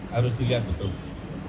harus dilihat betul